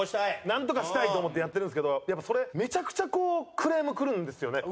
なんとかしたいと思ってやってるんですけどやっぱりそれめちゃくちゃこうクレーム来るんですよね。